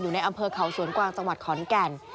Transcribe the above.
ในอำเภอเขาสวนกวางจังหวัดขอนแก่น